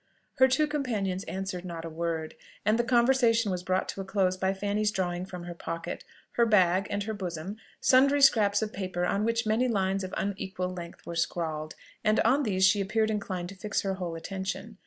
Her two companions answered not a word, and the conversation was brought to a close by Fanny's drawing from her pocket, her bag, and her bosom, sundry scraps of paper, on which many lines of unequal length were scrawled; and on these she appeared inclined to her fix whole attention.